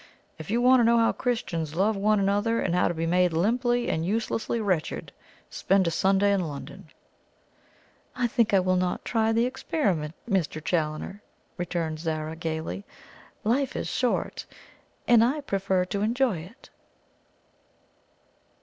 If you want to know how Christians love one another and how to be made limply and uselessly wretched, spend a Sunday in London." "I think I will not try the experiment, Mr. Challoner," returned Zara gaily. "Life is short, and I prefer to enjoy it."